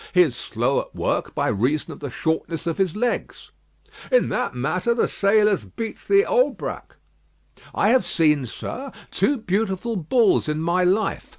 He is slow at work by reason of the shortness of his legs." "In that matter the Salers beats the Aubrac." "I have seen, sir, two beautiful bulls in my life.